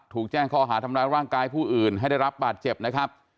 ถูกแจ้งข้อหาทำร้ายร่างกายผู้อื่นให้ได้รับบาดเจ็บนะครับ